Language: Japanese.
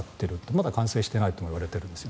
まだ完成してないともいわれています。